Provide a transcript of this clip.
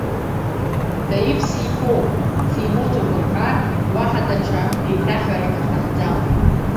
Таиф сиԥоуп, симоҭоуп рҳәар, уаҳа даҽа еиҭаҳәатә рҭахӡам.